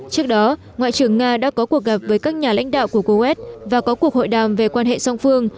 trước đó ngoại trưởng nga đã có cuộc gặp với các nhà lãnh đạo của kuwait và có cuộc hội đàm về quan hệ song phương